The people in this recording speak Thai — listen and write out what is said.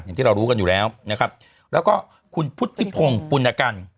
อย่างที่เรารู้กันอยู่แล้วนะครับแล้วก็คุณพุทธิพงศ์ปุณกัน